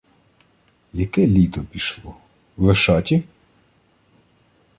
— Яке літо пішло... Вишаті?